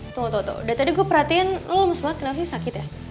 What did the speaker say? tunggu tunggu tunggu dari tadi gue perhatiin lu lemes banget kenapa sih sakit ya